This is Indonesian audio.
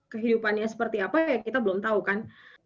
kehidupannya seperti apa ya kita belum tahu kan